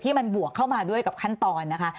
มันบวกเข้ามาด้วยกับขั้นตอนนะคะ